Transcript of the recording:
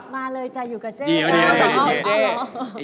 มาเลยจ้ะอยู่กับเจ๊จ้า